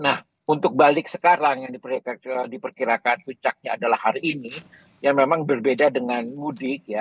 nah untuk balik sekarang yang diperkirakan puncaknya adalah hari ini ya memang berbeda dengan mudik ya